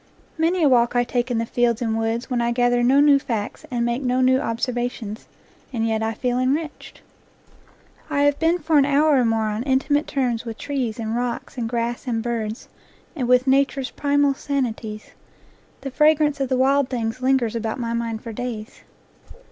Many a walk I take in the fields and woods when I gather no new facts and make no new observa tions; and yet I feel enriched. I have been for an hour or more on intimate terms with trees and rocks and grass and birds and with "Nature's primal sanities"; the fragrance of the wild things lingers about my mind for days.